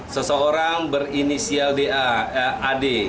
seseorang berinisial ad